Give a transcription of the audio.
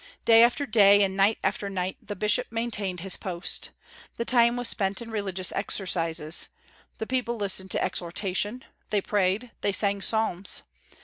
Day after day, and night after night, the bishop maintained his post. The time was spent in religious exercises. The people listened to exhortation; they prayed; they sang psalms.